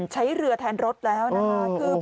ใช้เรือแทนรถแล้วนะคะ